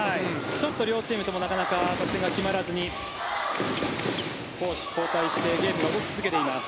ちょっと両チームともなかなか得点を得られずに攻守交替してゲームが動き続けています。